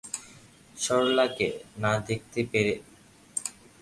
সরলাকে না দেখে যেতে পারব না, ভালো হবে না তাতে।